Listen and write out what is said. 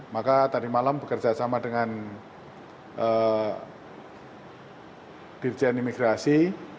maka tadi malam bekerja sama dengan dirjen imigrasi